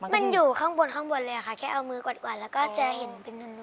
มันอยู่ข้างบนข้างบนเลยค่ะแค่เอามือกวาดแล้วก็จะเห็นเป็นนุ่ม